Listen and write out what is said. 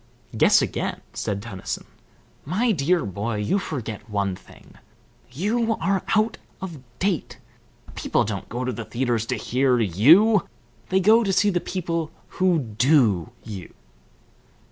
"Guess again," said Tennyson. "My dear boy, you forget one thing. You are out of date. People don't go to the theatres to hear you, they go to see the people who do you."